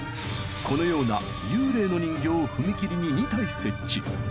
このような幽霊の人形を踏切に２体設置